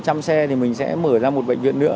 thì mình sẽ mở ra một bệnh viện nữa